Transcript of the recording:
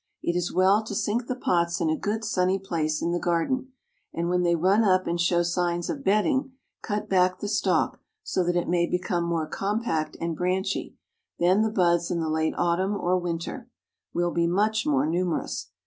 It is well to sink the pots in a good sunny place in the garden, and when they run up and show signs of bedding, cut back the stalk so that it may become more compact and branchy, then the buds in the late autumn or winter, will be much more numerous.